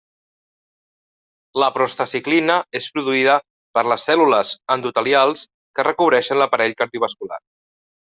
La prostaciclina és produïda per les cèl·lules endotelials que recobreixen l'aparell cardiovascular.